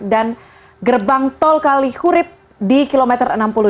dan gerbang tol kalihurip di kilometer enam puluh dua